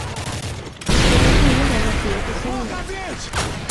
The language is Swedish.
Det spelar ingen roll att vi är kusiner.